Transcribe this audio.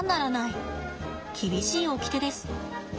厳しいおきてです。